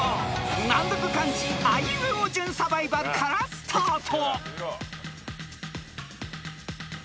難読漢字あいうえお順サバイバルからスタート］